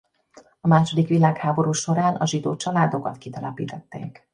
A második világháború során a zsidó családokat kitelepítették.